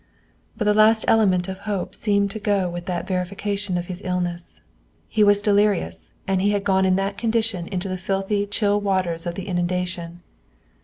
But the last element of hope seemed to go with that verification of his illness. He was delirious, and he had gone in that condition into the filthy chill waters of the inundation.